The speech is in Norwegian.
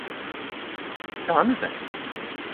Det er ikkje han du tenker på?